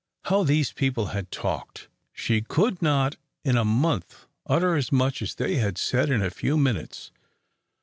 How these people had talked! She could not in a month utter as much as they had said in a few minutes.